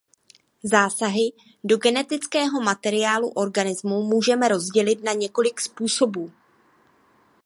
Zásahy do genetického materiálu organismů můžeme rozdělit na několik způsobů.